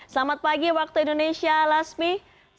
selamat pagi waktu indonesia lasmi